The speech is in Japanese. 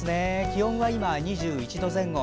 気温は今２１度前後。